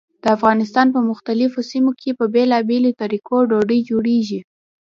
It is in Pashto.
د افغانستان په مختلفو سیمو کې په بېلابېلو طریقو ډوډۍ جوړېږي.